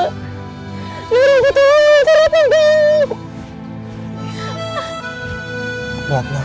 nurahku tolong tidak tuhan